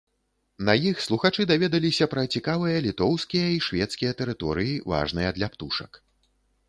На іх слухачы даведаліся пра цікавыя літоўскія і шведскія тэрыторыі, важныя для птушак.